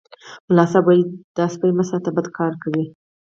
ملا صاحب ویل دا سپي مه ساتئ بد کار کوي.